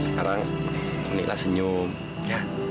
sekarang nona senyum ya